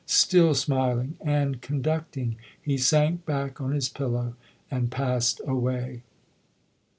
Still smiling and conducting, he sank back on his pillow and passed away.